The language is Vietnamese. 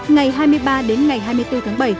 ngày hai mươi ba đến ngày hai mươi bốn tháng bảy